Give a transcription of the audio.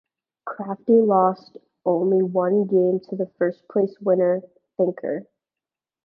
Crafty lost only one game to the first place winner Thinker.